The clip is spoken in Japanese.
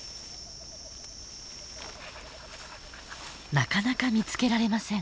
なかなか見つけられません。